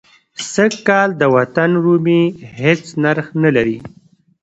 سږ کال د وطن رومي هېڅ نرخ نه لري.